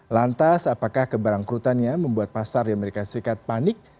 lantas apakah keberangkrutannya membuat pasar di amerika serikat panik